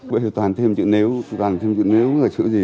bây giờ toàn thêm chữ nếu toàn thêm chữ nếu là chữ gì